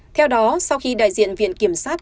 theo đó sau khi đại diện viện kiểm sát